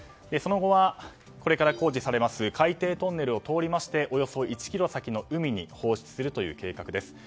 その後は、これから工事されます海底トンネルを通りましておよそ１ｋｍ先の海に放出するという計画です。